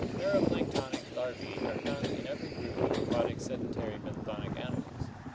Mero planktonic larvae are found in every group of aquatic sedentary benthonic animals.